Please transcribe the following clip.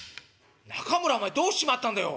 「中村お前どうしちまったんだよ。